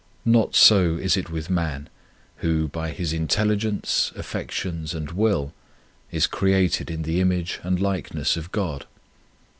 Not so is it with man, who, by his in telligence, affections, and will, is created in the image and likeness of God.